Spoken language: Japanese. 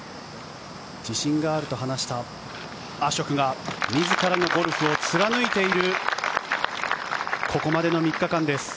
自信があると話したアショクが自らのゴルフを貫いているここまでの３日間です。